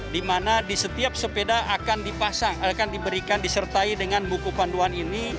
di mana di setiap sepeda akan dipasang akan diberikan disertai dengan buku panduan ini